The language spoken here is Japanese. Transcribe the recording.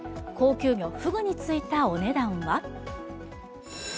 高級魚、フグについたお値段は。